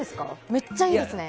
めっちゃいいですね！